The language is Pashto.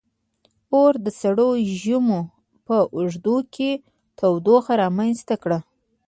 • اور د سړو ژمو په اوږدو کې تودوخه رامنځته کړه.